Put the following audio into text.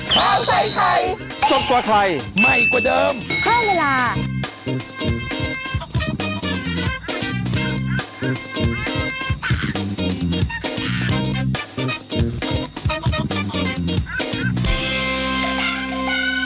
โปรดติดตามตอนต่อไป